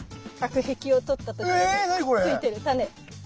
ついてるタネ。